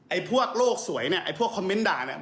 พวกโลกสวยเนี่ยไอ้พวกคอมเมนต์ด่าเนี่ย